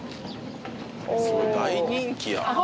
「すごい！大人気や」